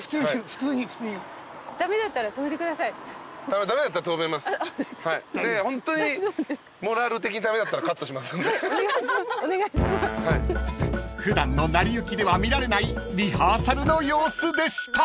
［普段の『なりゆき』では見られないリハーサルの様子でした］